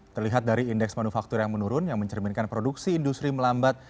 terlihat dari indeks manufaktur yang menurun yang mencerminkan produksi industri melambat